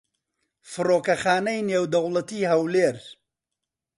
فڕۆکەخانەی نێودەوڵەتیی هەولێر